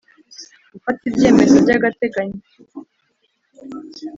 Gufata ibyemezo by agateganyo